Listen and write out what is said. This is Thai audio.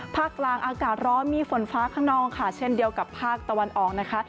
ภาคกลางอากาศร้อนมีฝนฟ้าขนองค่ะเช่นเดียวกับภาคตะวันออกนะคะ